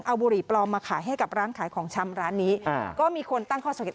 เอาบุหรี่ปลอมมาขายให้กับร้านขายของชำร้านนี้อ่าก็มีคนตั้งข้อสังเกต